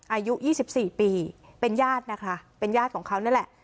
อายุ๒๔ปีเป็นญาตินะคะเป็นญาติของเขานั่นแหละ